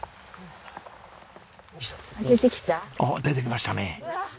出てきましたね。